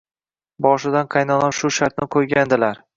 Boshidan qaynonam shu shartni qoʻygandilar.